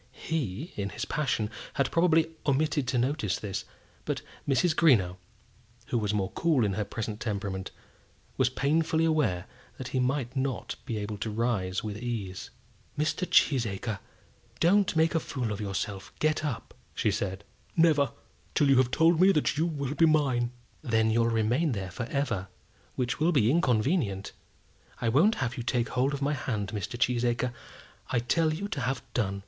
He, in his passion, had probably omitted to notice this; but Mrs. Greenow, who was more cool in her present temperament, was painfully aware that he might not be able to rise with ease. "Mr. Cheesacre, don't make a fool of yourself. Get up," said she. "Never, till you have told me that you will be mine!" "Then you'll remain there for ever, which will be inconvenient. I won't have you take hold of my hand, Mr. Cheesacre. I tell you to have done."